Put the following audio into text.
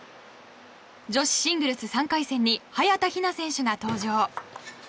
女子シングルス３回戦に早田ひな選手が登場。